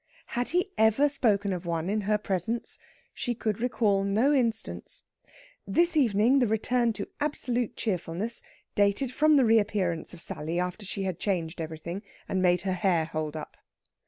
Had he ever spoken of one in her presence? She could recall no instance. This evening the return to absolute cheerfulness dated from the reappearance of Sally after she had changed everything, and made her hair hold up.